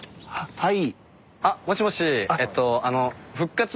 はい。